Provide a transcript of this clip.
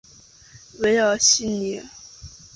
韦尔西尼。